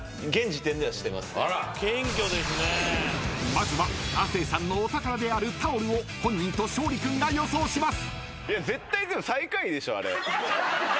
［まずは亜生さんのお宝であるタオルを本人と勝利君が予想します］